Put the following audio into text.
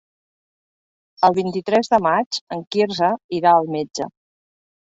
El vint-i-tres de maig en Quirze irà al metge.